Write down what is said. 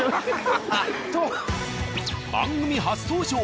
番組初登場。